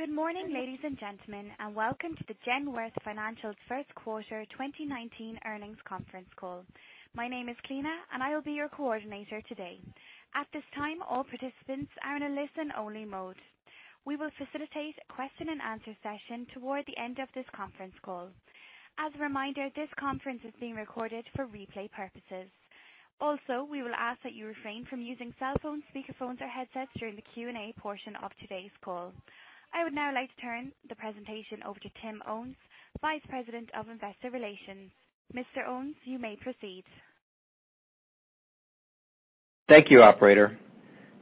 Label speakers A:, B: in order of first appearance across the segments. A: Good morning, ladies and gentlemen, and welcome to Genworth Financial's first quarter 2019 earnings conference call. My name is Lina, and I will be your coordinator today. At this time, all participants are in a listen-only mode. We will facilitate a question-and-answer session toward the end of this conference call. As a reminder, this conference is being recorded for replay purposes. Also, we will ask that you refrain from using cell phones, speakerphones, or headsets during the Q&A portion of today's call. I would now like to turn the presentation over to Tim Owens, Vice President of Investor Relations. Mr. Owens, you may proceed.
B: Thank you, operator.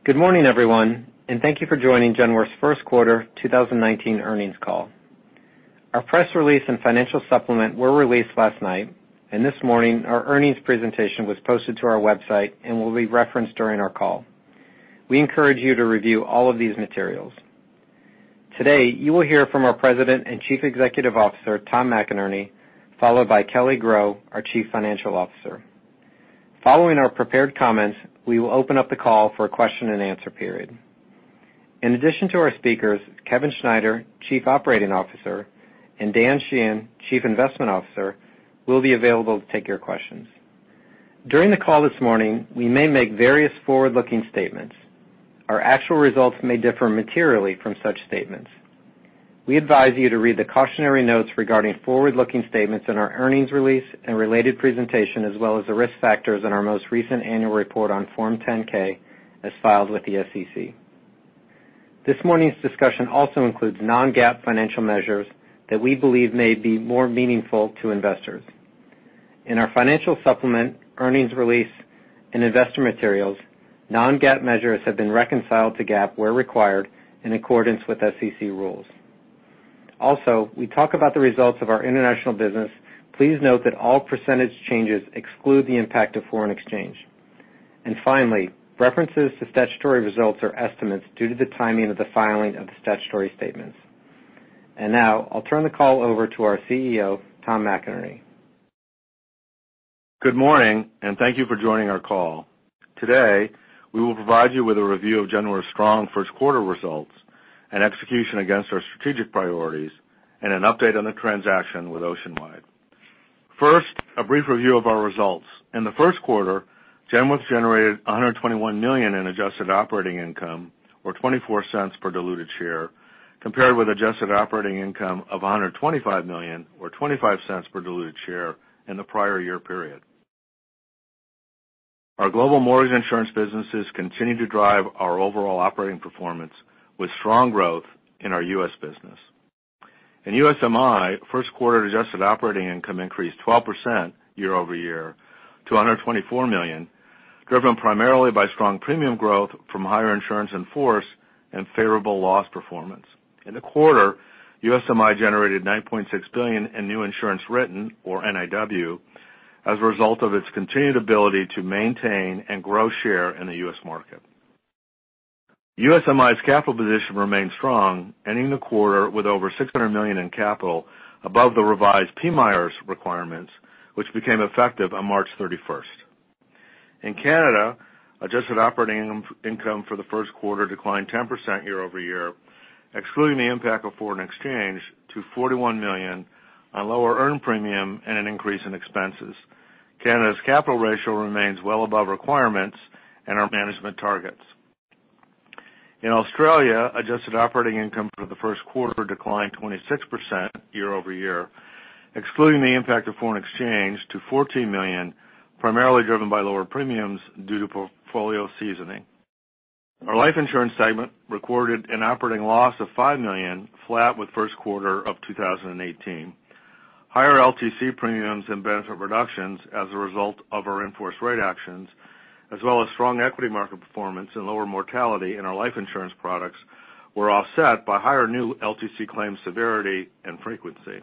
B: Good morning, everyone, thank you for joining Genworth's first quarter 2019 earnings call. Our press release and financial supplement were released last night. This morning, our earnings presentation was posted to our website and will be referenced during our call. We encourage you to review all of these materials. Today, you will hear from our President and Chief Executive Officer, Tom McInerney, followed by Kelly Groh, our Chief Financial Officer. Following our prepared comments, we will open up the call for a question and answer period. In addition to our speakers, Kevin Schneider, Chief Operating Officer, and Dan Sheehan, Chief Investment Officer, will be available to take your questions. During the call this morning, we may make various forward-looking statements. Our actual results may differ materially from such statements. We advise you to read the cautionary notes regarding forward-looking statements in our earnings release and related presentation as well as the risk factors in our most recent annual report on Form 10-K as filed with the SEC. This morning's discussion also includes non-GAAP financial measures that we believe may be more meaningful to investors. In our financial supplement, earnings release, and investor materials, non-GAAP measures have been reconciled to GAAP where required in accordance with SEC rules. We talk about the results of our international business. Please note that all % changes exclude the impact of foreign exchange. Finally, references to statutory results are estimates due to the timing of the filing of the statutory statements. Now I'll turn the call over to our CEO, Tom McInerney.
C: Good morning, thank you for joining our call. Today, we will provide you with a review of Genworth's strong first quarter results and execution against our strategic priorities, an update on the transaction with Oceanwide. First, a brief review of our results. In the first quarter, Genworth generated $121 million in adjusted operating income, or $0.24 per diluted share, compared with adjusted operating income of $125 million or $0.25 per diluted share in the prior year period. Our global mortgage insurance businesses continue to drive our overall operating performance with strong growth in our U.S. business. In USMI, first quarter adjusted operating income increased 12% year-over-year to $124 million, driven primarily by strong premium growth from higher insurance in force and favorable loss performance. In the quarter, USMI generated $9.6 billion in new insurance written, or NIW, as a result of its continued ability to maintain and grow share in the U.S. market. USMI's capital position remains strong, ending the quarter with over $600 million in capital above the revised PMIERs requirements, which became effective on March 31st. In Canada, adjusted operating income for the first quarter declined 10% year-over-year, excluding the impact of foreign exchange to $41 million on lower earned premium and an increase in expenses. Canada's capital ratio remains well above requirements and our management targets. In Australia, adjusted operating income for the first quarter declined 26% year-over-year, excluding the impact of foreign exchange to $14 million, primarily driven by lower premiums due to portfolio seasoning. Our life insurance segment recorded an operating loss of $5 million, flat with first quarter of 2018. Higher LTC premiums and benefit reductions as a result of our in-force rate actions, as well as strong equity market performance and lower mortality in our life insurance products, were offset by higher new LTC claim severity and frequency.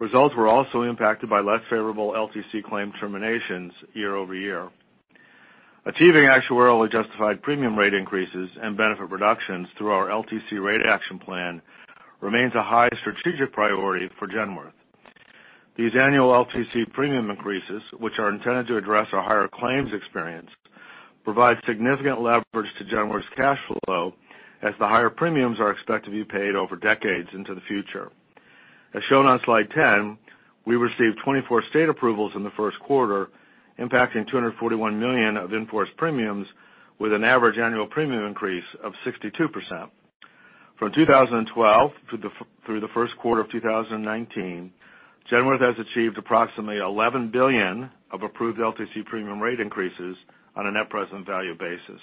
C: Results were also impacted by less favorable LTC claim terminations year-over-year. Achieving actuarially justified premium rate increases and benefit reductions through our LTC rate action plan remains a high strategic priority for Genworth. These annual LTC premium increases, which are intended to address our higher claims experience, provide significant leverage to Genworth's cash flow as the higher premiums are expected to be paid over decades into the future. As shown on slide 10, we received 24 state approvals in the first quarter, impacting $241 million of in-force premiums with an average annual premium increase of 62%. From 2012 through the first quarter of 2019, Genworth has achieved approximately $11 billion of approved LTC premium rate increases on a net present value basis.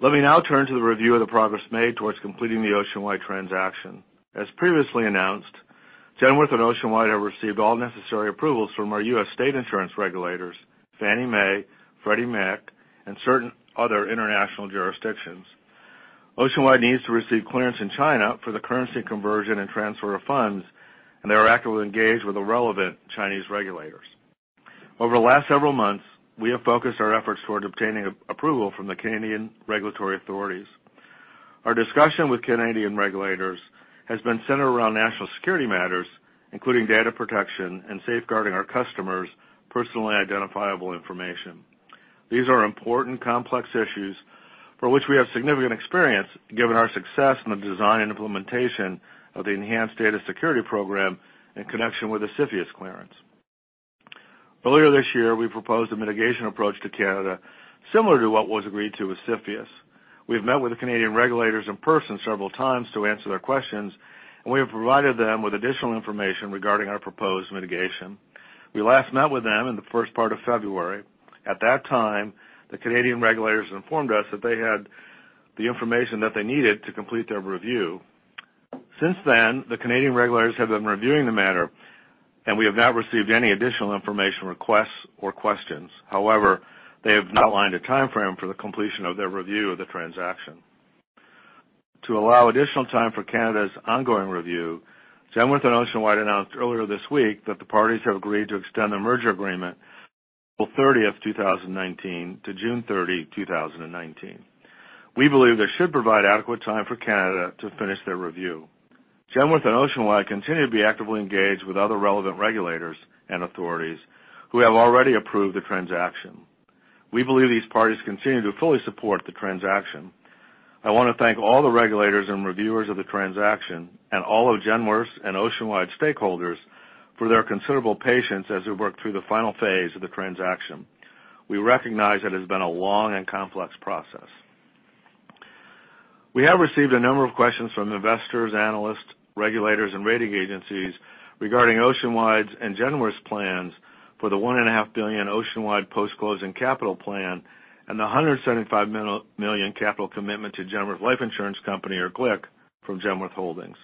C: Let me now turn to the review of the progress made towards completing the Oceanwide transaction. As previously announced, Genworth and Oceanwide have received all necessary approvals from our U.S. state insurance regulators, Fannie Mae, Freddie Mac, and certain other international jurisdictions. Oceanwide needs to receive clearance in China for the currency conversion and transfer of funds. They are actively engaged with the relevant Chinese regulators. Over the last several months, we have focused our efforts toward obtaining approval from the Canadian regulatory authorities. Our discussion with Canadian regulators has been centered around national security matters, including data protection and safeguarding our customers' personally identifiable information. These are important complex issues for which we have significant experience, given our success in the design and implementation of the enhanced data security program in connection with the CFIUS clearance. Earlier this year, we proposed a mitigation approach to Canada, similar to what was agreed to with CFIUS. We have met with the Canadian regulators in person several times to answer their questions. We have provided them with additional information regarding our proposed mitigation. We last met with them in the first part of February. At that time, the Canadian regulators informed us that they had the information that they needed to complete their review. Since then, the Canadian regulators have been reviewing the matter. We have not received any additional information, requests, or questions. They have not lined a timeframe for the completion of their review of the transaction. To allow additional time for Canada's ongoing review, Genworth and Oceanwide announced earlier this week that the parties have agreed to extend their merger agreement, April 30th, 2019, to June 30, 2019. We believe this should provide adequate time for Canada to finish their review. Genworth and Oceanwide continue to be actively engaged with other relevant regulators and authorities who have already approved the transaction. We believe these parties continue to fully support the transaction. I want to thank all the regulators and reviewers of the transaction and all of Genworth's and Oceanwide's stakeholders for their considerable patience as we work through the final phase of the transaction. We recognize it has been a long and complex process. We have received a number of questions from investors, analysts, regulators, and rating agencies regarding Oceanwide's and Genworth's plans for the $1.5 billion Oceanwide post-closing capital plan and the $175 million capital commitment to Genworth Life Insurance Company, or GLIC, from Genworth Holdings.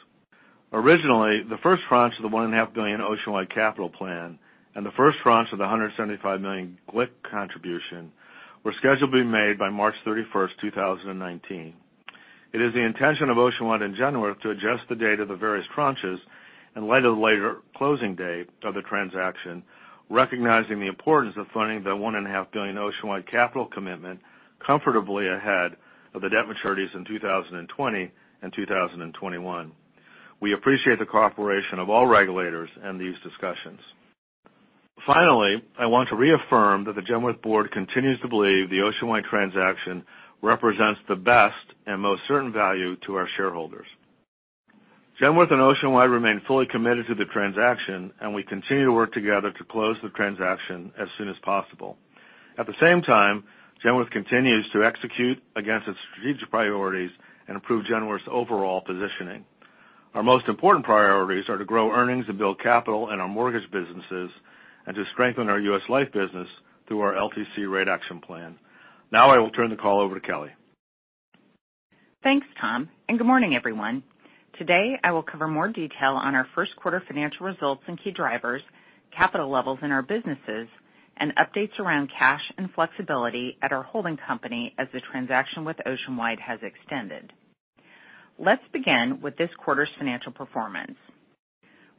C: Originally, the first tranche of the $1.5 billion Oceanwide capital plan and the first tranche of the $175 million GLIC contribution were scheduled to be made by March 31st, 2019. It is the intention of Oceanwide and Genworth to adjust the date of the various tranches in light of the later closing date of the transaction, recognizing the importance of funding the $1.5 billion Oceanwide capital commitment comfortably ahead of the debt maturities in 2020 and 2021. We appreciate the cooperation of all regulators in these discussions. I want to reaffirm that the Genworth board continues to believe the Oceanwide transaction represents the best and most certain value to our shareholders. Genworth and Oceanwide remain fully committed to the transaction, and we continue to work together to close the transaction as soon as possible. At the same time, Genworth continues to execute against its strategic priorities and improve Genworth's overall positioning. Our most important priorities are to grow earnings and build capital in our mortgage businesses and to strengthen our U.S. Life business through our LTC rate action plan. Now I will turn the call over to Kelly.
D: Thanks, Tom. Good morning, everyone. I will cover more detail on our first quarter financial results and key drivers, capital levels in our businesses, and updates around cash and flexibility at our holding company as the transaction with Oceanwide has extended. Let's begin with this quarter's financial performance.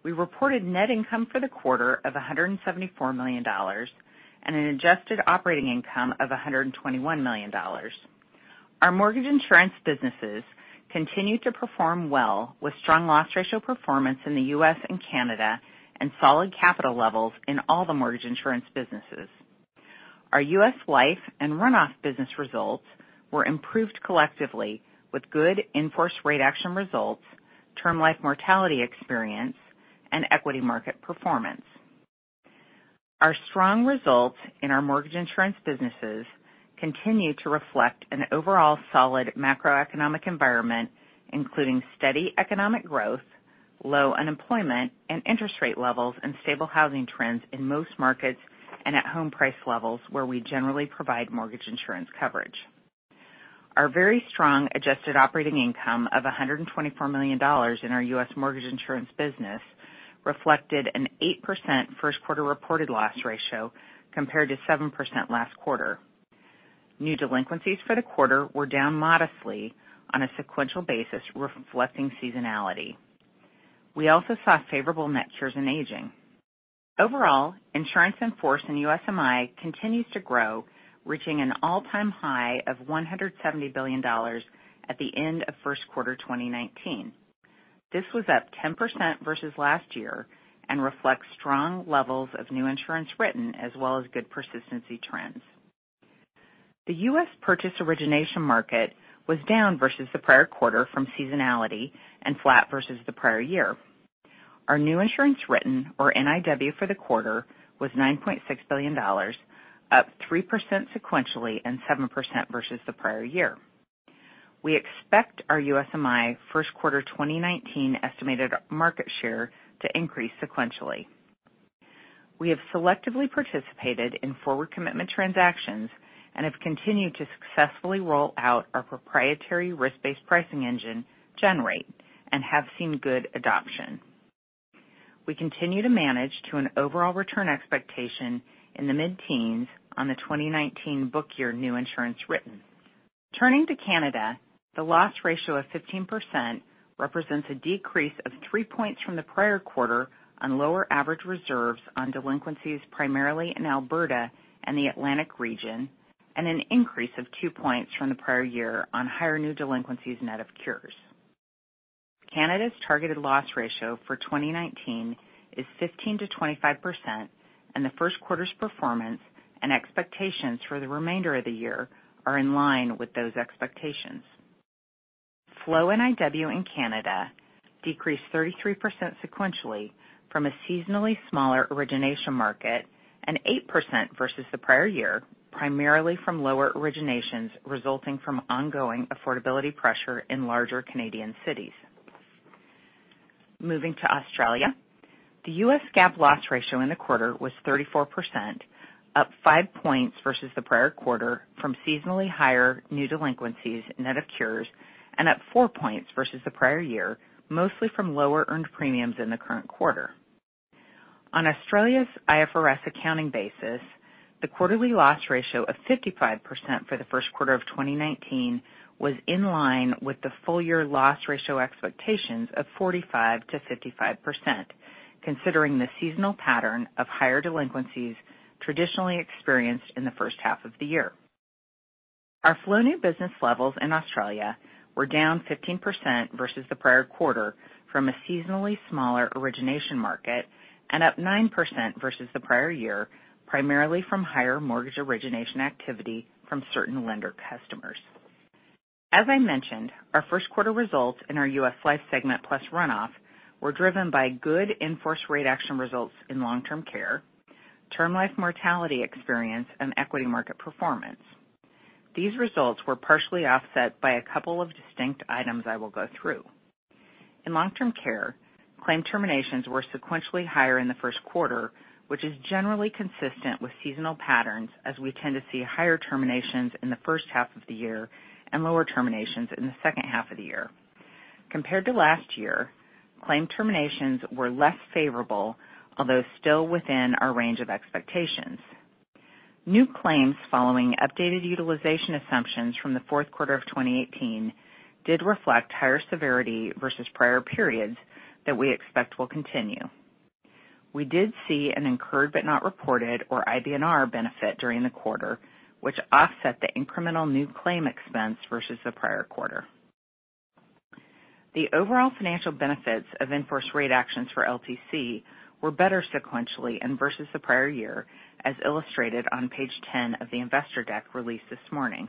D: We reported net income for the quarter of $174 million and an adjusted operating income of $121 million. Our mortgage insurance businesses continued to perform well with strong loss ratio performance in the U.S. and Canada and solid capital levels in all the mortgage insurance businesses. Our U.S. Life and runoff business results were improved collectively with good in-force rate action results, term life mortality experience, and equity market performance. Our strong results in our mortgage insurance businesses continue to reflect an overall solid macroeconomic environment, including steady economic growth, low unemployment and interest rate levels, and stable housing trends in most markets and at home price levels where we generally provide mortgage insurance coverage. Our very strong adjusted operating income of $124 million in our U.S. mortgage insurance business reflected an 8% first quarter reported loss ratio compared to 7% last quarter. New delinquencies for the quarter were down modestly on a sequential basis, reflecting seasonality. We also saw favorable net cures and aging. Overall, insurance in force in USMI continues to grow, reaching an all-time high of $170 billion at the end of first quarter 2019. This was up 10% versus last year and reflects strong levels of new insurance written as well as good persistency trends. The U.S. purchase origination market was down versus the prior quarter from seasonality and flat versus the prior year. Our new insurance written, or NIW for the quarter, was $9.6 billion, up 3% sequentially and 7% versus the prior year. We expect our USMI first quarter 2019 estimated market share to increase sequentially. We have selectively participated in forward commitment transactions and have continued to successfully roll out our proprietary risk-based pricing engine, GenRate, and have seen good adoption. We continue to manage to an overall return expectation in the mid-teens on the 2019 book year new insurance written. Turning to Canada, the loss ratio of 15% represents a decrease of three points from the prior quarter on lower average reserves on delinquencies primarily in Alberta and the Atlantic region, and an increase of two points from the prior year on higher new delinquencies net of cures. Canada's targeted loss ratio for 2019 is 15%-25%, and the first quarter's performance and expectations for the remainder of the year are in line with those expectations. Flow NIW in Canada decreased 33% sequentially from a seasonally smaller origination market and 8% versus the prior year, primarily from lower originations resulting from ongoing affordability pressure in larger Canadian cities. Moving to Australia, the U.S. GAAP loss ratio in the quarter was 34%, up five points versus the prior quarter from seasonally higher new delinquencies net of cures, and up four points versus the prior year, mostly from lower earned premiums in the current quarter. On Australia's IFRS accounting basis, the quarterly loss ratio of 55% for the first quarter of 2019 was in line with the full-year loss ratio expectations of 45%-55%, considering the seasonal pattern of higher delinquencies traditionally experienced in the first half of the year. Our flow new business levels in Australia were down 15% versus the prior quarter from a seasonally smaller origination market, and up 9% versus the prior year, primarily from higher mortgage origination activity from certain lender customers. As I mentioned, our first quarter results in our U.S. Life segment plus runoff were driven by good in-force rate action results in long-term care, term life mortality experience, and equity market performance. These results were partially offset by a couple of distinct items I will go through. In long-term care, claim terminations were sequentially higher in the first quarter, which is generally consistent with seasonal patterns, as we tend to see higher terminations in the first half of the year and lower terminations in the second half of the year. Compared to last year, claim terminations were less favorable, although still within our range of expectations. New claims following updated utilization assumptions from the fourth quarter of 2018 did reflect higher severity versus prior periods that we expect will continue. We did see an incurred but not reported, or IBNR, benefit during the quarter, which offset the incremental new claim expense versus the prior quarter. The overall financial benefits of in-force rate actions for LTC were better sequentially and versus the prior year, as illustrated on page 10 of the investor deck released this morning.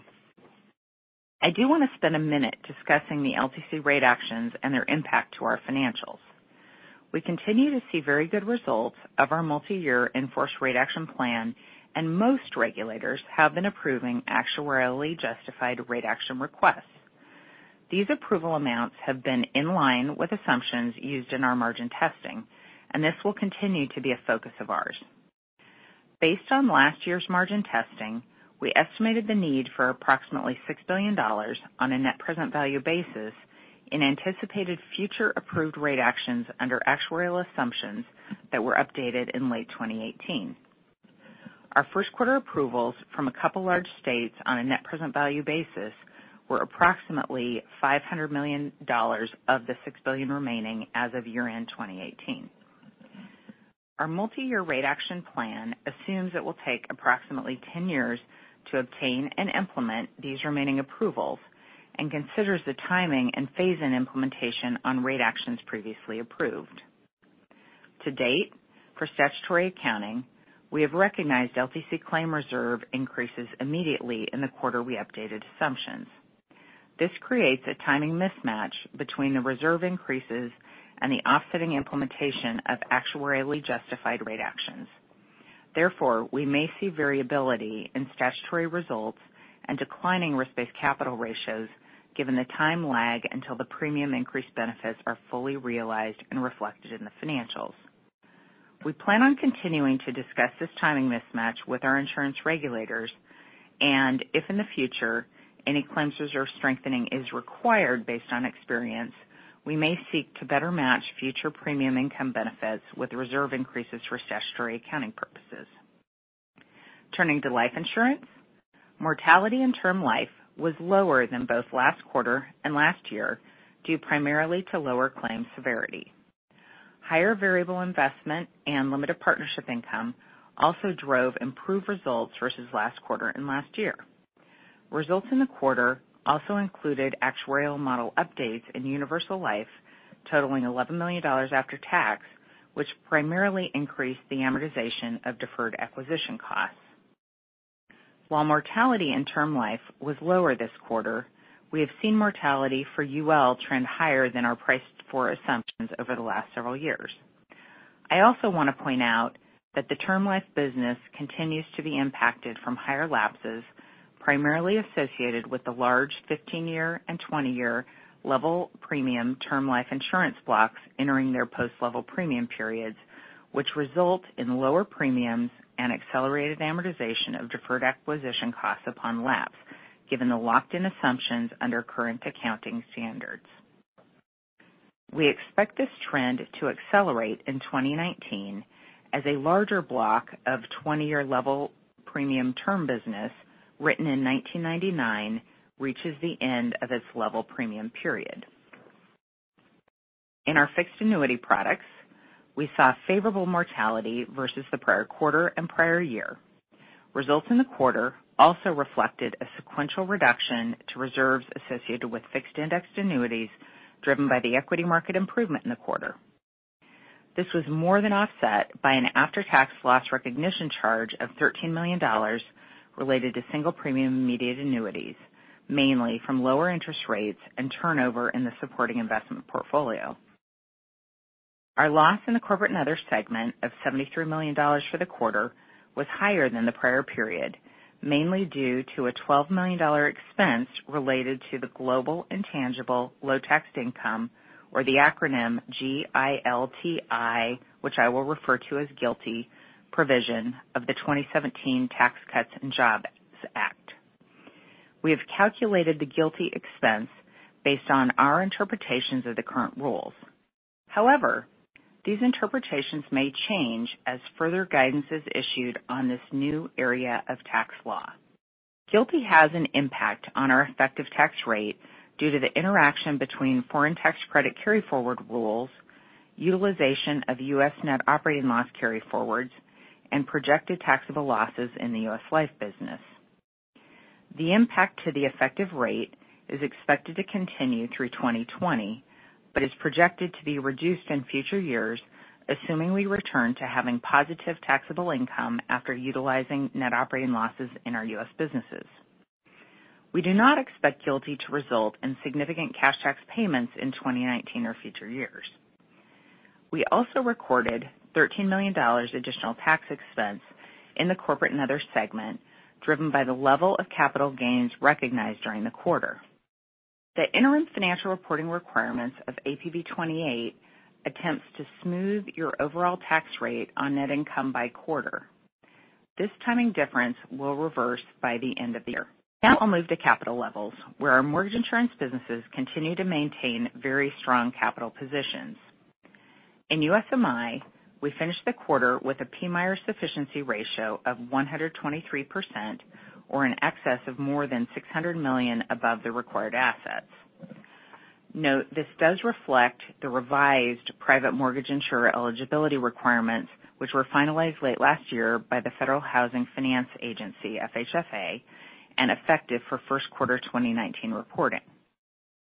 D: I do want to spend a minute discussing the LTC rate actions and their impact to our financials. We continue to see very good results of our multi-year in-force rate action plan. Most regulators have been approving actuarially justified rate action requests. These approval amounts have been in line with assumptions used in our margin testing. This will continue to be a focus of ours. Based on last year's margin testing, we estimated the need for approximately $6 billion on a net present value basis in anticipated future approved rate actions under actuarial assumptions that were updated in late 2018. Our first quarter approvals from a couple large states on a net present value basis were approximately $500 million of the $6 billion remaining as of year-end 2018. Our multi-year rate action plan assumes it will take approximately 10 years to obtain and implement these remaining approvals and considers the timing and phase-in implementation on rate actions previously approved. To date, for statutory accounting, we have recognized LTC claim reserve increases immediately in the quarter we updated assumptions. This creates a timing mismatch between the reserve increases and the offsetting implementation of actuarially justified rate actions. We may see variability in statutory results and declining risk-based capital ratios given the time lag until the premium increase benefits are fully realized and reflected in the financials. We plan on continuing to discuss this timing mismatch with our insurance regulators. If in the future any claims reserve strengthening is required based on experience, we may seek to better match future premium income benefits with reserve increases for statutory accounting purposes. Turning to life insurance, mortality and term life was lower than both last quarter and last year due primarily to lower claim severity. Higher variable investment and limited partnership income also drove improved results versus last quarter and last year. Results in the quarter also included actuarial model updates in universal life totaling $11 million after tax, which primarily increased the amortization of deferred acquisition costs. While mortality in term life was lower this quarter, we have seen mortality for UL trend higher than our priced-for assumptions over the last several years. I also want to point out that the term life business continues to be impacted from higher lapses, primarily associated with the large 15-year and 20-year level premium term life insurance blocks entering their post-level premium periods, which result in lower premiums and accelerated amortization of deferred acquisition costs upon lapse, given the locked-in assumptions under current accounting standards. We expect this trend to accelerate in 2019 as a larger block of 20-year level premium term business written in 1999 reaches the end of its level premium period. In our fixed annuity products, we saw favorable mortality versus the prior quarter and prior year. Results in the quarter also reflected a sequential reduction to reserves associated with fixed-indexed annuities, driven by the equity market improvement in the quarter. This was more than offset by an after-tax loss recognition charge of $13 million related to single premium immediate annuities, mainly from lower interest rates and turnover in the supporting investment portfolio. Our loss in the corporate and other segment of $73 million for the quarter was higher than the prior period, mainly due to a $12 million expense related to the Global Intangible Low Tax Income, or the acronym GILTI, which I will refer to as GILTI, provision of the 2017 Tax Cuts and Jobs Act. We have calculated the GILTI expense based on our interpretations of the current rules. However, these interpretations may change as further guidance is issued on this new area of tax law. GILTI has an impact on our effective tax rate due to the interaction between foreign tax credit carry-forward rules, utilization of U.S. net operating loss carry-forwards, and projected taxable losses in the U.S. life business. The impact to the effective rate is expected to continue through 2020, but is projected to be reduced in future years, assuming we return to having positive taxable income after utilizing net operating losses in our U.S. businesses. We do not expect GILTI to result in significant cash tax payments in 2019 or future years. We also recorded $13 million additional tax expense in the corporate and other segment, driven by the level of capital gains recognized during the quarter. The interim financial reporting requirements of APB 28 attempts to smooth your overall tax rate on net income by quarter. This timing difference will reverse by the end of the year. Now I'll move to capital levels, where our mortgage insurance businesses continue to maintain very strong capital positions. In USMI, we finished the quarter with a PMIER Sufficiency ratio of 123%, or an excess of more than $600 million above the required assets. Note, this does reflect the revised Private Mortgage Insurer Eligibility Requirements, which were finalized late last year by the Federal Housing Finance Agency, FHFA, and effective for first quarter 2019 reporting.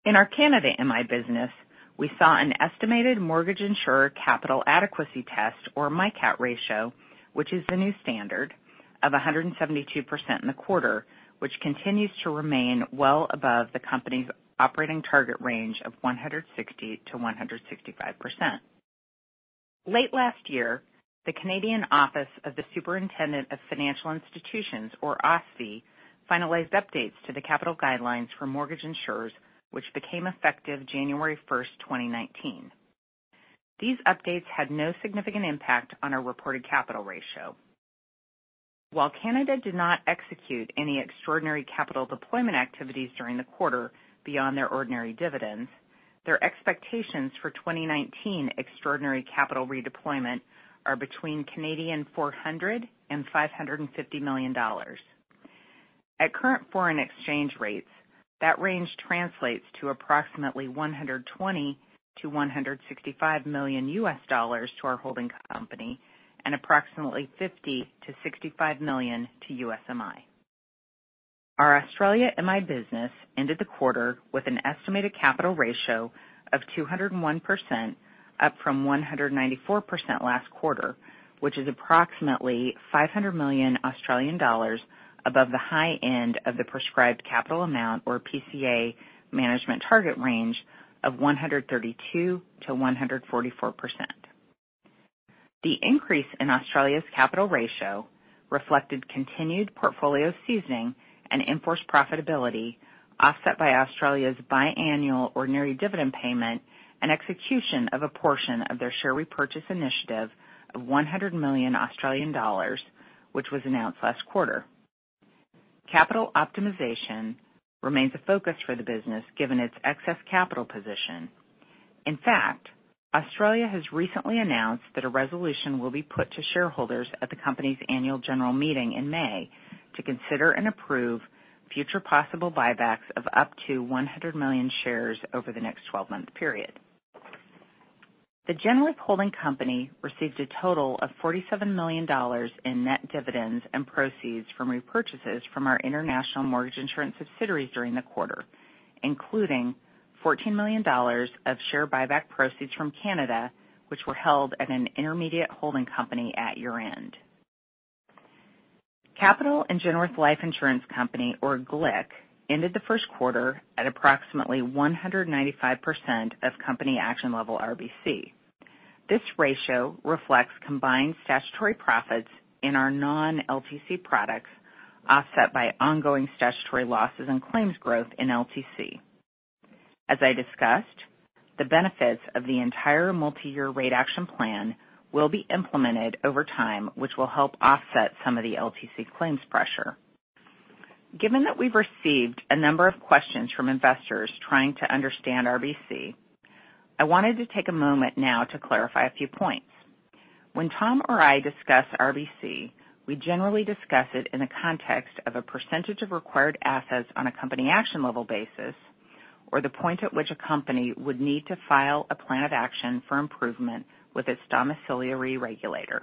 D: In our Canada MI business, we saw an estimated Mortgage Insurer Capital Adequacy Test, or MICAT, ratio, which is the new standard of 172% in the quarter, which continues to remain well above the company's operating target range of 160%-165%. Late last year, the Canadian Office of the Superintendent of Financial Institutions, or OSFI, finalized updates to the capital guidelines for mortgage insurers, which became effective January 1st, 2019. These updates had no significant impact on our reported capital ratio. While Canada did not execute any extraordinary capital deployment activities during the quarter beyond their ordinary dividends, their expectations for 2019 extraordinary capital redeployment are between 400 million Canadian dollars and CAD 550 million. At current foreign exchange rates, that range translates to approximately $120 million-$165 million U.S. to our holding company and approximately $50 million-$65 million to USMI. Our Australia MI business ended the quarter with an estimated capital ratio of 201%, up from 194% last quarter, which is approximately 500 million Australian dollars above the high end of the prescribed capital amount, or PCA, management target range of 132%-144%. The increase in Australia's capital ratio reflected continued portfolio seasoning and in-force profitability, offset by Australia's biannual ordinary dividend payment and execution of a portion of their share repurchase initiative of 100 million Australian dollars, which was announced last quarter. Capital optimization remains a focus for the business, given its excess capital position. In fact, Australia has recently announced that a resolution will be put to shareholders at the company's annual general meeting in May to consider and approve future possible buybacks of up to 100 million shares over the next 12-month period. The Genworth Holding Company received a total of $47 million in net dividends and proceeds from repurchases from our international mortgage insurance subsidiaries during the quarter, including $14 million of share buyback proceeds from Canada, which were held at an intermediate holding company at year-end. Capital and Genworth Life Insurance Company, or GLIC, ended the first quarter at approximately 195% of company action level RBC. This ratio reflects combined statutory profits in our non-LTC products, offset by ongoing statutory losses and claims growth in LTC. As I discussed, the benefits of the entire multi-year rate action plan will be implemented over time, which will help offset some of the LTC claims pressure. Given that we've received a number of questions from investors trying to understand RBC, I wanted to take a moment now to clarify a few points. When Tom or I discuss RBC, we generally discuss it in a context of a percentage of required assets on a company action level basis or the point at which a company would need to file a plan of action for improvement with its domiciliary regulator.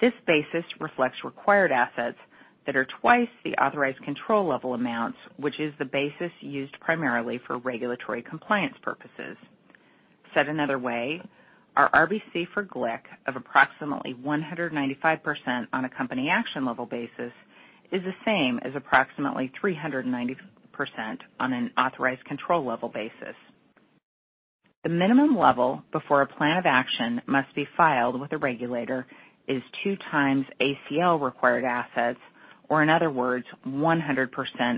D: This basis reflects required assets that are twice the authorized control level amounts, which is the basis used primarily for regulatory compliance purposes. Said another way, our RBC for GLIC of approximately 195% on a company action level basis is the same as approximately 390% on an authorized control level basis. The minimum level before a plan of action must be filed with a regulator is two times ACL required assets, or in other words, 100%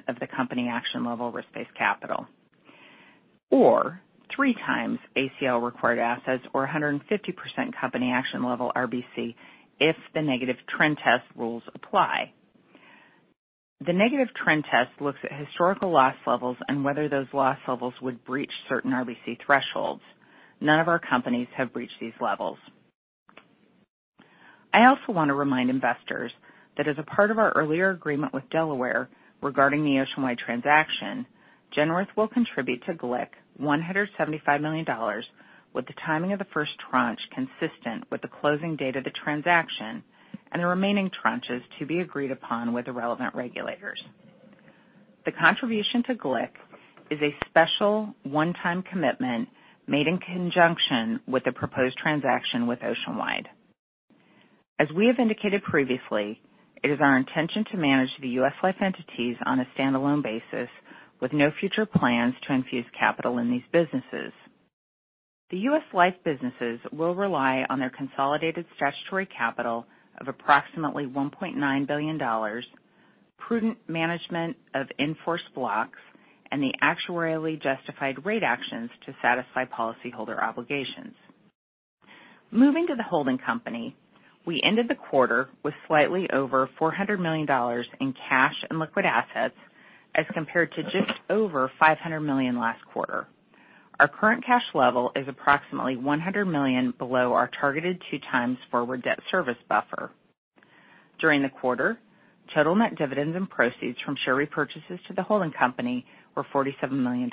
D: of the company action level risk-based capital, or three times ACL required assets or 150% company action level RBC if the negative trend test rules apply. The negative trend test looks at historical loss levels and whether those loss levels would breach certain RBC thresholds. None of our companies have breached these levels. I also want to remind investors that as a part of our earlier agreement with Delaware regarding the Oceanwide transaction, Genworth will contribute to GLIC $175 million with the timing of the first tranche consistent with the closing date of the transaction and the remaining tranches to be agreed upon with the relevant regulators. The contribution to GLIC is a special one-time commitment made in conjunction with the proposed transaction with Oceanwide. As we have indicated previously, it is our intention to manage the U.S. Life entities on a standalone basis with no future plans to infuse capital in these businesses. The U.S. Life businesses will rely on their consolidated statutory capital of approximately $1.9 billion, prudent management of in-force blocks, and the actuarially justified rate actions to satisfy policyholder obligations. Moving to the holding company, we ended the quarter with slightly over $400 million in cash and liquid assets as compared to just over $500 million last quarter. Our current cash level is approximately $100 million below our targeted two times forward debt service buffer. During the quarter, total net dividends and proceeds from share repurchases to the holding company were $47 million.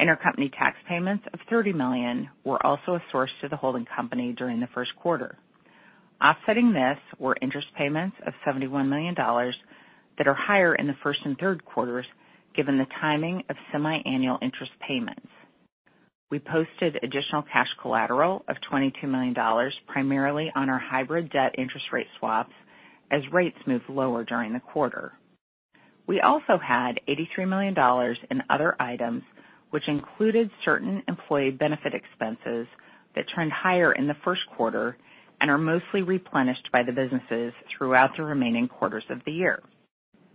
D: Intercompany tax payments of $30 million were also a source to the holding company during the first quarter. Offsetting this were interest payments of $71 million that are higher in the first and third quarters, given the timing of semiannual interest payments. We posted additional cash collateral of $22 million primarily on our hybrid debt interest rate swaps as rates moved lower during the quarter. We also had $83 million in other items, which included certain employee benefit expenses that trend higher in the first quarter and are mostly replenished by the businesses throughout the remaining quarters of the year.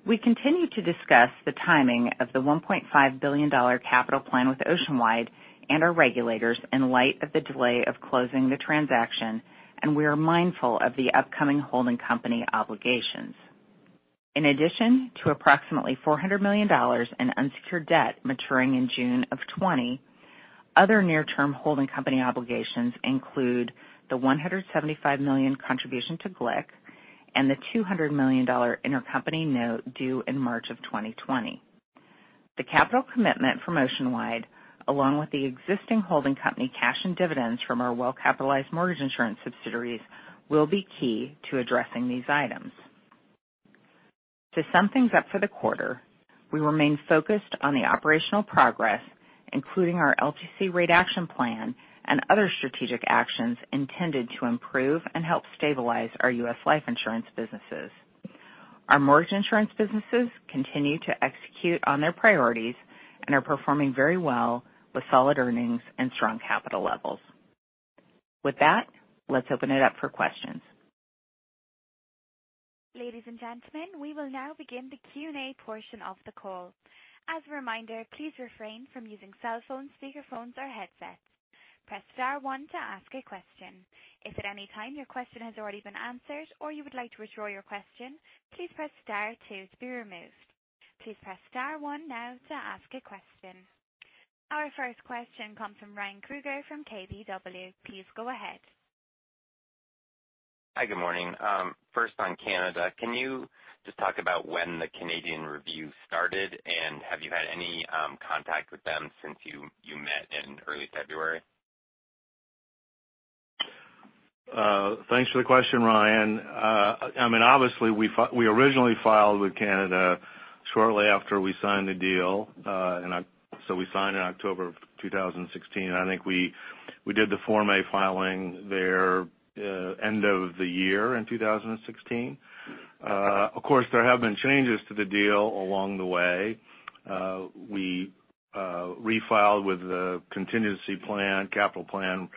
D: We continue to discuss the timing of the $1.5 billion capital plan with Oceanwide and our regulators in light of the delay of closing the transaction, and we are mindful of the upcoming holding company obligations. In addition to approximately $400 million in unsecured debt maturing in June of 2020, other near-term holding company obligations include the $175 million contribution to GLIC and the $200 million intercompany note due in March of 2020. The capital commitment for Oceanwide, along with the existing holding company cash and dividends from our well-capitalized mortgage insurance subsidiaries, will be key to addressing these items. To sum things up for the quarter, we remain focused on the operational progress, including our LTC rate action plan and other strategic actions intended to improve and help stabilize our U.S. Life insurance businesses. Our mortgage insurance businesses continue to execute on their priorities and are performing very well with solid earnings and strong capital levels. With that, let's open it up for questions.
A: Ladies and gentlemen, we will now begin the Q&A portion of the call. As a reminder, please refrain from using cell phones, speakerphones, or headsets. Press star one to ask a question. If at any time your question has already been answered or you would like to withdraw your question, please press star two to be removed. Please press star one now to ask a question. Our first question comes from Ryan Krueger from KBW. Please go ahead.
E: Hi. Good morning. First on Canada, can you just talk about when the Canadian review started, and have you had any contact with them since you met in early February?
C: Thanks for the question, Ryan. Obviously, we originally filed with Canada shortly after we signed the deal. We signed in October 2016. I think we did the Form A filing there end of the year in 2016. Of course, there have been changes to the deal along the way. We refiled with the contingency plan, capital plan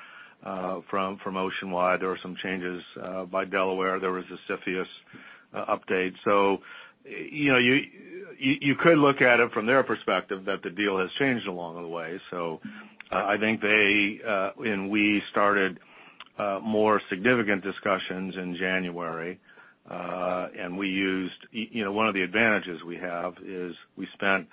C: from Oceanwide. There were some changes by Delaware. There was a CFIUS update. You could look at it from their perspective that the deal has changed along the way. I think they and we started more significant discussions in January. One of the advantages we have is we spent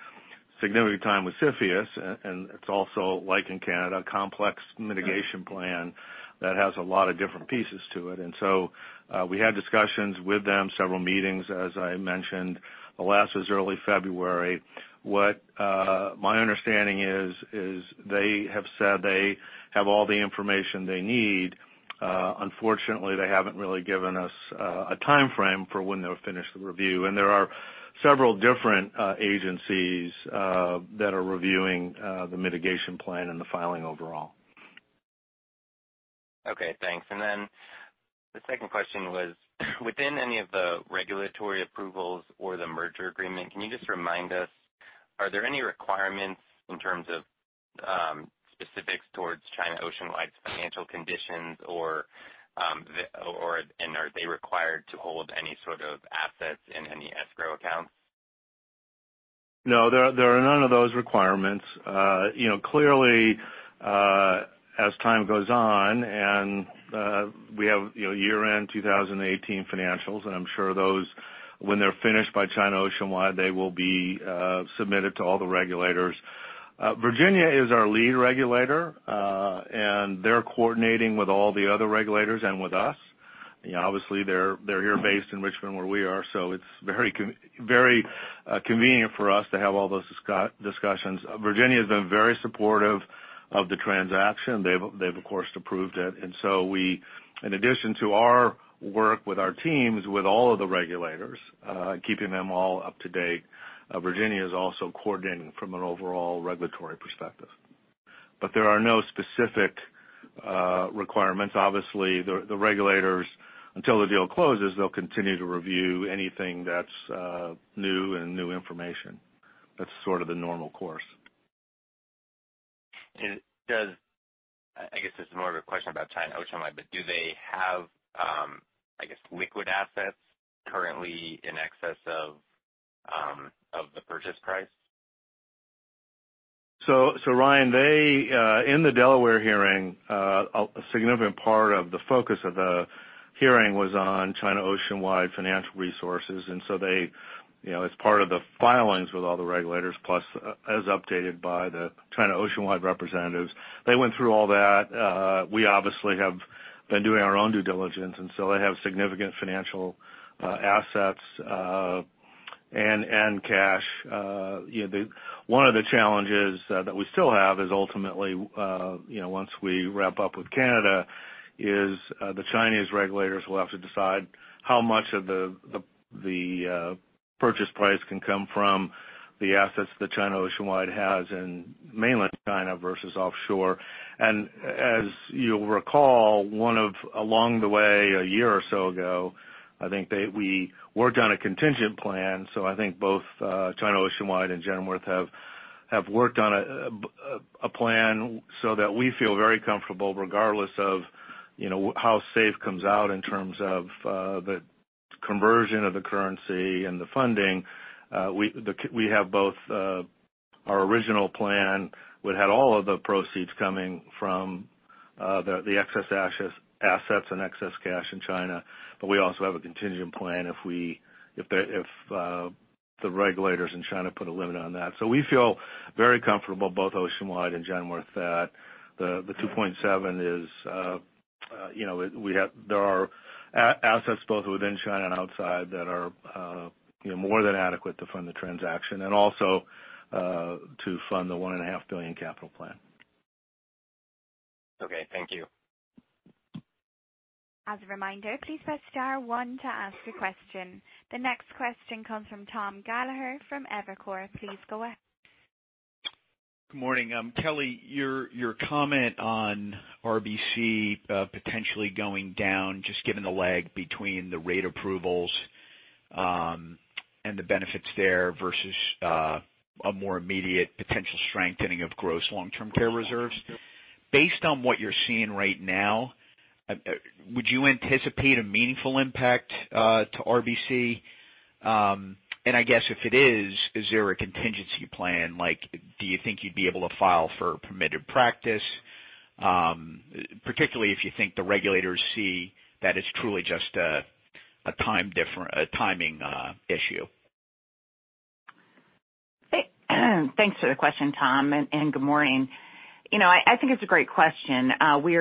C: significant time with CFIUS, and it's also, like in Canada, a complex mitigation plan that has a lot of different pieces to it. We had discussions with them, several meetings, as I mentioned. The last was early February. What my understanding is they have said they have all the information they need. Unfortunately, they haven't really given us a timeframe for when they'll finish the review. There are several different agencies that are reviewing the mitigation plan and the filing overall.
E: Okay, thanks. The second question was, within any of the regulatory approvals or the merger agreement, can you just remind us, are there any requirements in terms of specifics towards China Oceanwide's financial conditions or, are they required to hold any sort of assets in any escrow accounts?
C: No, there are none of those requirements. Clearly, as time goes on and we have year-end 2018 financials, I'm sure those, when they're finished by China Oceanwide, they will be submitted to all the regulators. Virginia is our lead regulator. They're coordinating with all the other regulators and with us. Obviously, they're here based in Richmond where we are, so it's very convenient for us to have all those discussions. Virginia's been very supportive of the transaction. They've, of course, approved it. We, in addition to our work with our teams, with all of the regulators, keeping them all up to date, Virginia is also coordinating from an overall regulatory perspective. There are no specific requirements. Obviously, the regulators, until the deal closes, they'll continue to review anything that's new and new information. That's sort of the normal course.
E: Does, I guess this is more of a question about China Oceanwide, but do they have, I guess, liquid assets currently in excess of the purchase price?
C: Ryan, in the Delaware hearing, a significant part of the focus of the hearing was on China Oceanwide financial resources. As part of the filings with all the regulators, plus as updated by the China Oceanwide representatives, they went through all that. We obviously have been doing our own due diligence. They have significant financial assets and cash. One of the challenges that we still have is ultimately, once we wrap up with Canada, is the Chinese regulators will have to decide how much of the purchase price can come from the assets that China Oceanwide has in mainland China versus offshore. As you'll recall, along the way, a year or so ago, I think we worked on a contingent plan. I think both China Oceanwide and Genworth have worked on a plan that we feel very comfortable regardless of how SAFE comes out in terms of the conversion of the currency and the funding. We have both our original plan, which had all of the proceeds coming from the excess assets and excess cash in China, but we also have a contingent plan if the regulators in China put a limit on that. We feel very comfortable, both Oceanwide and Genworth, that the $2.7 billion is, there are assets both within China and outside that are more than adequate to fund the transaction and also to fund the $1.5 billion capital plan.
E: Okay. Thank you.
A: As a reminder, please press star one to ask a question. The next question comes from Thomas Gallagher from Evercore. Please go ahead.
F: Good morning. Kelly, your comment on RBC potentially going down, just given the lag between the rate approvals and the benefits there versus a more immediate potential strengthening of gross long-term care reserves. Based on what you're seeing right now, would you anticipate a meaningful impact to RBC? I guess if it is there a contingency plan? Do you think you'd be able to file for permitted practice, particularly if you think the regulators see that it's truly just a timing issue?
D: Thanks for the question, Tom, and good morning. I think it's a great question. We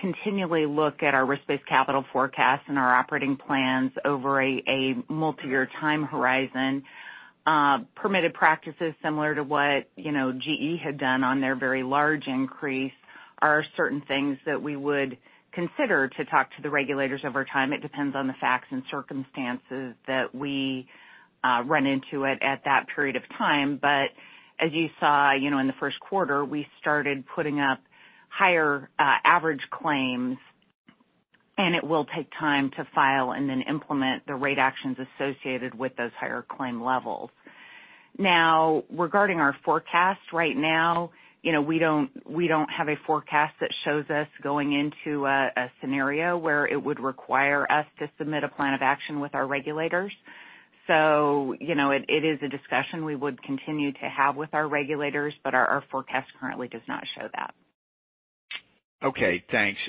D: continually look at our risk-based capital forecasts and our operating plans over a multi-year time horizon. Permitted practices similar to what GE had done on their very large increase are certain things that we would consider to talk to the regulators over time. It depends on the facts and circumstances that we run into it at that period of time. As you saw in the first quarter, we started putting up higher average claims, and it will take time to file and then implement the rate actions associated with those higher claim levels. Regarding our forecast right now, we don't have a forecast that shows us going into a scenario where it would require us to submit a plan of action with our regulators. It is a discussion we would continue to have with our regulators, but our forecast currently does not show that.
F: Okay, thanks.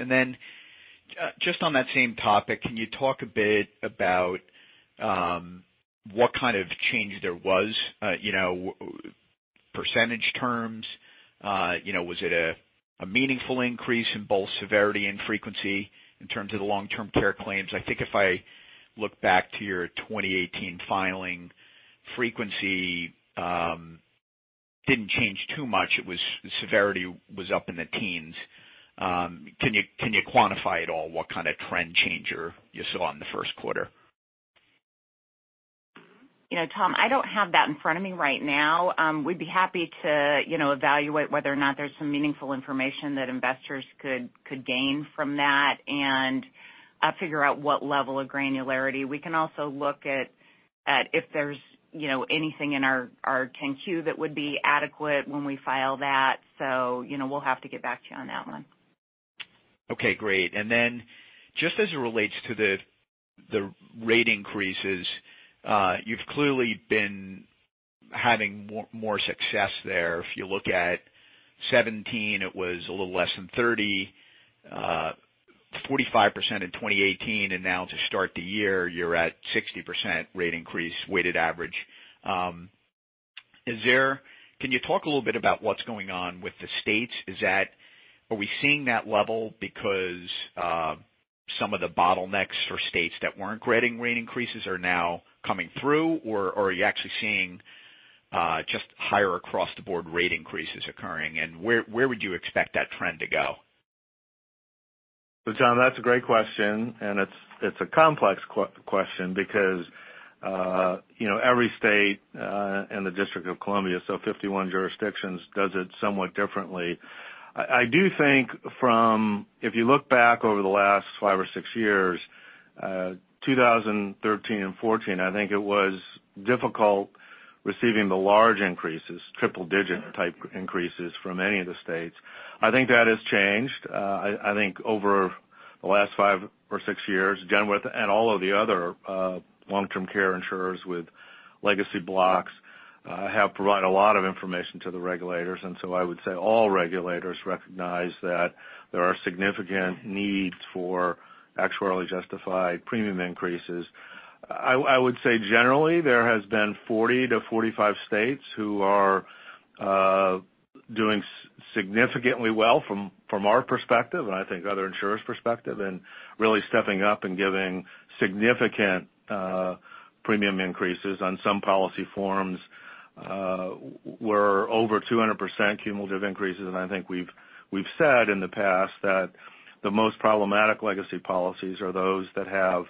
F: Just on that same topic, can you talk a bit about what kind of change there was, percentage terms? Was it a meaningful increase in both severity and frequency in terms of the long-term care claims? I think if I look back to your 2018 filing, frequency didn't change too much. The severity was up in the teens. Can you quantify at all what kind of trend changer you saw in the first quarter?
D: Tom, I don't have that in front of me right now. We'd be happy to evaluate whether or not there's some meaningful information that investors could gain from that and figure out what level of granularity. We can also look at if there's anything in our 10-Q that would be adequate when we file that. We'll have to get back to you on that one.
F: Okay, great. Just as it relates to the rate increases, you've clearly been having more success there. If you look at 2017, it was a little less than 30%, 45% in 2018, and now to start the year, you're at 60% rate increase weighted average. Can you talk a little bit about what's going on with the states? Are we seeing that level because some of the bottlenecks for states that weren't granting rate increases are now coming through, or are you actually seeing just higher across the board rate increases occurring, and where would you expect that trend to go?
C: Tom, that's a great question, and it's a complex question because every state and the District of Columbia, so 51 jurisdictions, does it somewhat differently. I do think, if you look back over the last five or six years, 2013 and 2014, I think it was difficult receiving the large increases, triple digit type increases from any of the states. I think that has changed. I think over the last five or six years, Genworth and all of the other long-term care insurers with legacy blocks have provided a lot of information to the regulators. I would say all regulators recognize that there are significant needs for actuarially justified premium increases. I would say generally, there has been 40 to 45 states who are doing significantly well from our perspective, and I think other insurers' perspective, in really stepping up and giving significant premium increases on some policy forms were over 200% cumulative increases. I think we've said in the past that the most problematic legacy policies are those that have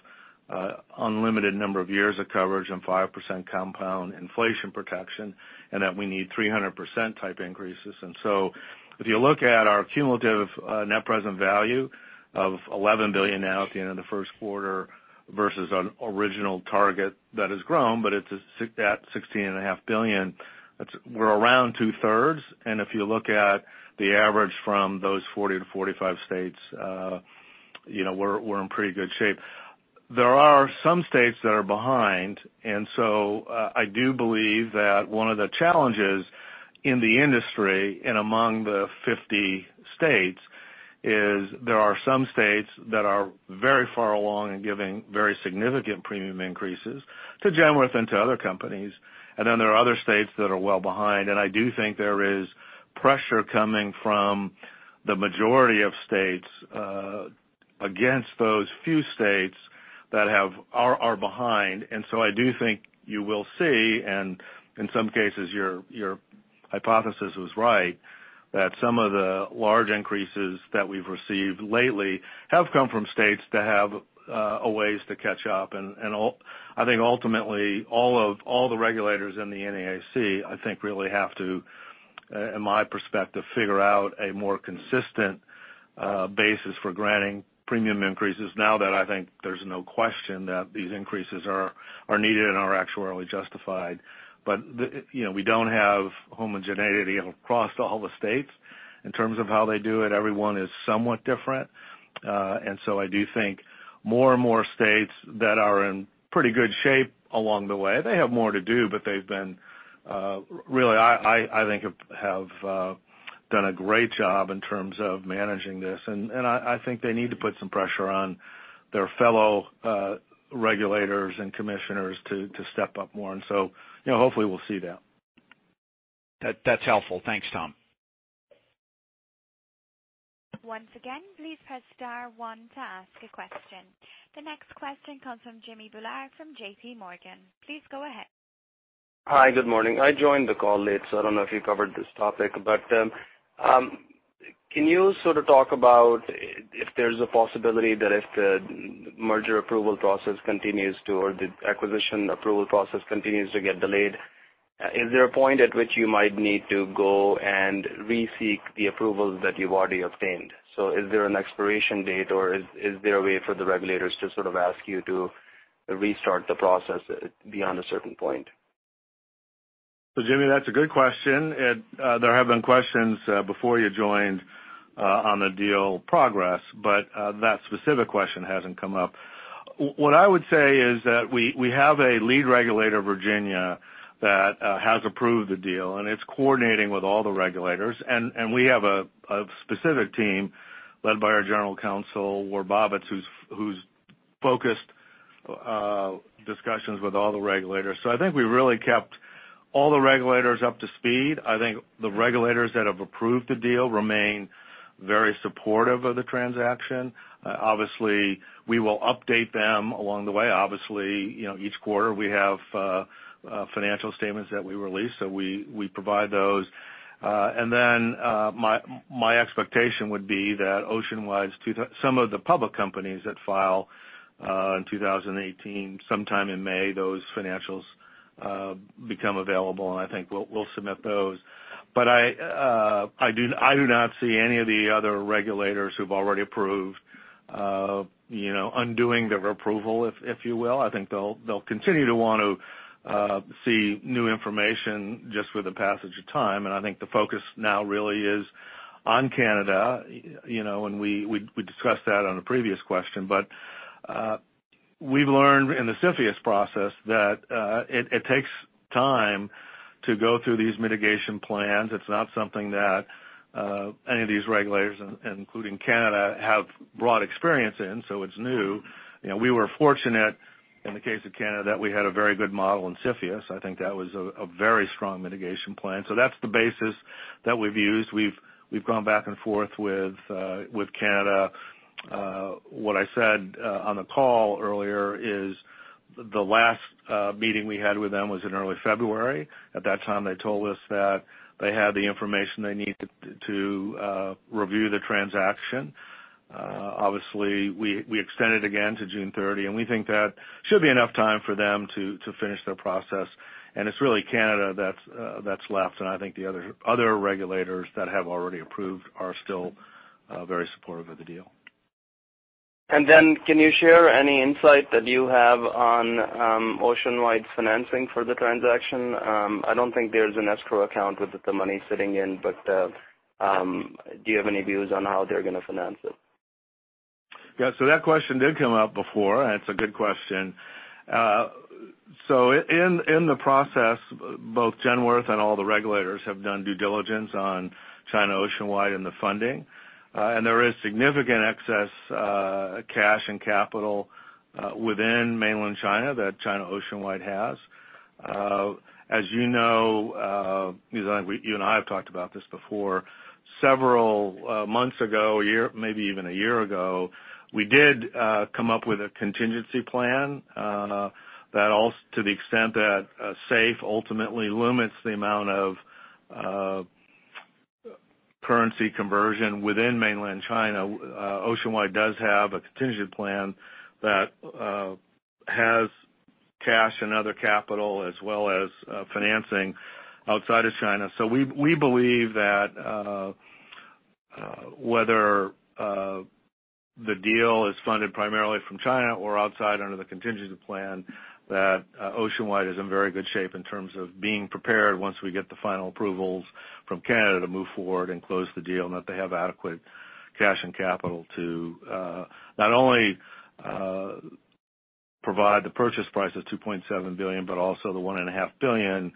C: unlimited number of years of coverage and 5% compound inflation protection, and that we need 300% type increases. If you look at our cumulative net present value of $11 billion now at the end of the first quarter versus an original target that has grown, but it's at $16.5 billion, we're around two-thirds. If you look at the average from those 40 to 45 states, we're in pretty good shape. There are some states that are behind. I do believe that one of the challenges in the industry and among the 50 states is there are some states that are very far along in giving very significant premium increases to Genworth and to other companies. There are other states that are well behind, and I do think there is pressure coming from the majority of states against those few states that are behind. I do think you will see, and in some cases, your hypothesis was right, that some of the large increases that we've received lately have come from states that have a ways to catch up. I think ultimately, all the regulators in the NAIC, I think really have to, in my perspective, figure out a more consistent basis for granting premium increases now that I think there's no question that these increases are needed and are actuarially justified. We don't have homogeneity across all the states in terms of how they do it. Every one is somewhat different. I do think more and more states that are in pretty good shape along the way, they have more to do, but they've really, I think have done a great job in terms of managing this. I think they need to put some pressure on their fellow regulators and commissioners to step up more. Hopefully we'll see that.
F: That's helpful. Thanks, Tom.
A: Once again, please press star one to ask a question. The next question comes from Jimmy Bhullar from JPMorgan. Please go ahead.
G: Hi. Good morning. I joined the call late, so I don't know if you covered this topic, but can you sort of talk about if there's a possibility that if the merger approval process continues to, or the acquisition approval process continues to get delayed, is there a point at which you might need to go and re-seek the approvals that you've already obtained? Is there an expiration date or is there a way for the regulators to sort of ask you to restart the process beyond a certain point?
C: Jimmy, that's a good question. There have been questions before you joined on the deal progress, but that specific question hasn't come up. What I would say is that we have a lead regulator, Virginia, that has approved the deal, and it's coordinating with all the regulators. We have a specific team led by our general counsel, Ward Bobitz, who's focused discussions with all the regulators. I think we really kept all the regulators up to speed. I think the regulators that have approved the deal remain very supportive of the transaction. Obviously, we will update them along the way. Obviously, each quarter we have financial statements that we release. We provide those. My expectation would be that Oceanwide, some of the public companies that file in 2018, sometime in May, those financials become available, and I think we'll submit those. I do not see any of the other regulators who've already approved undoing their approval, if you will. I think they'll continue to want to see new information just with the passage of time. I think the focus now really is on Canada, and we discussed that on a previous question. We've learned in the CFIUS process that it takes time to go through these mitigation plans. It's not something that any of these regulators, including Canada, have broad experience in. It's new. We were fortunate in the case of Canada that we had a very good model in CFIUS. I think that was a very strong mitigation plan. That's the basis that we've used. We've gone back and forth with Canada. What I said on the call earlier is the last meeting we had with them was in early February. At that time, they told us that they had the information they needed to review the transaction. Obviously, we extended again to June 30, and we think that should be enough time for them to finish their process. It's really Canada that's left, and I think the other regulators that have already approved are still very supportive of the deal.
G: Can you share any insight that you have on Oceanwide's financing for the transaction? I don't think there's an escrow account with the money sitting in. Do you have any views on how they're going to finance it?
C: That question did come up before, and it is a good question. In the process, both Genworth and all the regulators have done due diligence on China Oceanwide and the funding. There is significant excess cash and capital within mainland China that China Oceanwide has. As you know, you and I have talked about this before, several months ago, maybe even a year ago, we did come up with a contingency plan to the extent that SAFE ultimately limits the amount of currency conversion within mainland China. Oceanwide does have a contingent plan that has cash and other capital as well as financing outside of China. We believe that whether the deal is funded primarily from China or outside under the contingency plan, that Oceanwide is in very good shape in terms of being prepared once we get the final approvals from Canada to move forward and close the deal, and that they have adequate cash and capital to not only provide the purchase price of $2.7 billion, but also the $1.5 billion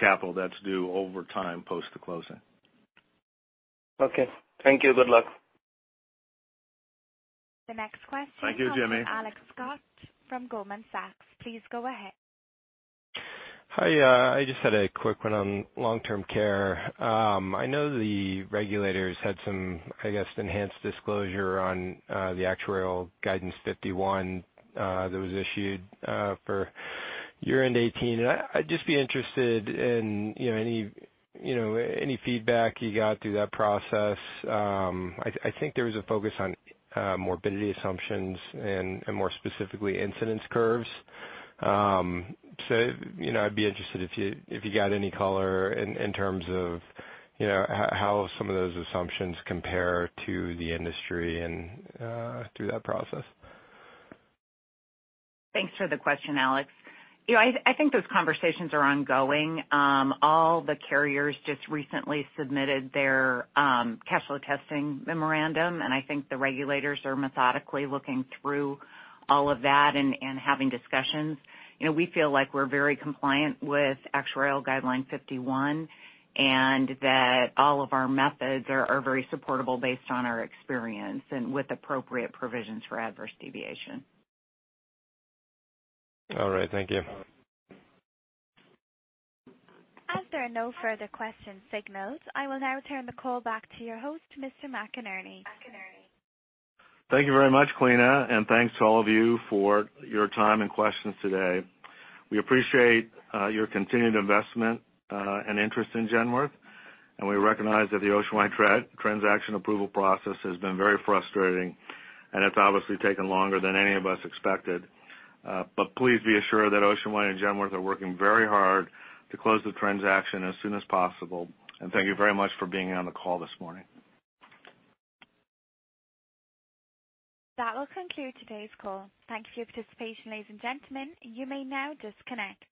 C: capital that is due over time post the closing.
G: Okay. Thank you. Good luck.
A: The next question-
C: Thank you, Jimmy
A: comes from Alex Scott from Goldman Sachs. Please go ahead.
H: Hi, I just had a quick one on long-term care. I know the regulators had some, I guess, enhanced disclosure on the Actuarial Guideline 51 that was issued for year-end 2018. I'd just be interested in any feedback you got through that process. I think there was a focus on morbidity assumptions and more specifically, incidence curves. I'd be interested if you got any color in terms of how some of those assumptions compare to the industry and through that process.
D: Thanks for the question, Alex. I think those conversations are ongoing. All the carriers just recently submitted their capital testing memorandum, and I think the regulators are methodically looking through all of that and having discussions. We feel like we're very compliant with Actuarial Guideline 51, and that all of our methods are very supportable based on our experience and with appropriate provisions for adverse deviation.
H: All right. Thank you.
A: As there are no further question signals, I will now turn the call back to your host, Mr. McInerney.
C: Thank you very much, Kalina. Thanks to all of you for your time and questions today. We appreciate your continued investment and interest in Genworth, and we recognize that the Oceanwide transaction approval process has been very frustrating, and it's obviously taken longer than any of us expected. Please be assured that Oceanwide and Genworth are working very hard to close the transaction as soon as possible. Thank you very much for being on the call this morning.
A: That will conclude today's call. Thank you for your participation, ladies and gentlemen. You may now disconnect.